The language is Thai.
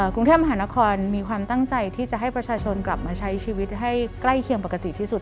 กรุงเทพมหานครมีความตั้งใจที่จะให้ประชาชนกลับมาใช้ชีวิตให้ใกล้เคียงปกติที่สุด